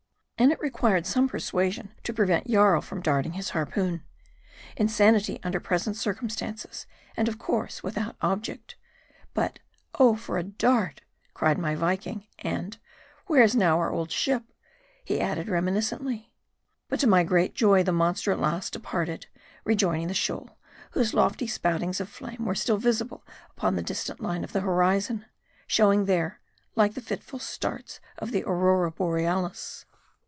And it required some persuasion to prevent Jarl from darting his harpoon : insanity under present circumstances ; and of course without object. But " Oh ! for a dart," cried my Viking. And " Where's now our old ship ?" he added reminiscently. But to my great joy the monster at last departed ; re joining the shoal, whose lofty spoutings of flame were still visible upon the distant line of the horizon ; showing there, like the fitful starts of the Aurora Borealis.